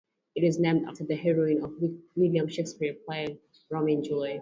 It is named after the heroine of William Shakespeare's play "Romeo and Juliet".